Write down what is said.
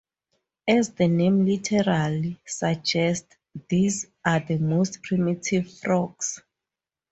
As the name literally suggests, these are the most primitive frogs.